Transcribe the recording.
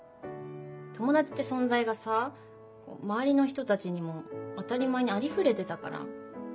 友達って存在がさ周りの人たちにも当たり前にありふれてたから。